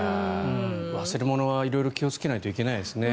忘れ物は色々気をつけないといけないですね。